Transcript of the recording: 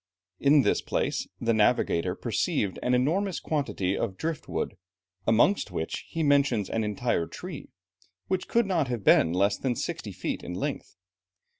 In this place, the navigator perceived an enormous quantity of drift wood, amongst which he mentions an entire tree, which could not have been less than sixty feet in length.